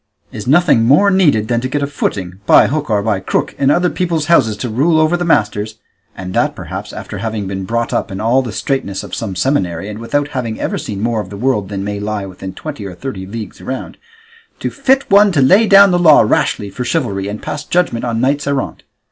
Is nothing more needed than to get a footing, by hook or by crook, in other people's houses to rule over the masters (and that, perhaps, after having been brought up in all the straitness of some seminary, and without having ever seen more of the world than may lie within twenty or thirty leagues round), to fit one to lay down the law rashly for chivalry, and pass judgment on knights errant?